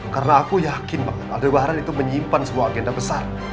karena aku yakin banget aldebaran itu menyimpan sebuah agenda besar